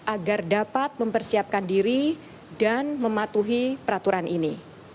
agar dapat mempersiapkan diri dan mematuhi peraturan ini